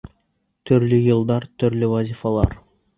Төрлө йылдар, төрлө вазифалар.